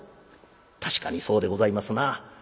「確かにそうでございますな。